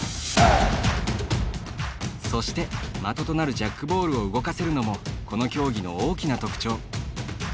そして的となるジャックボールを動かせるのもこの競技の大きな特徴。